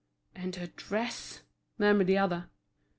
"And her dress!" murmured the other.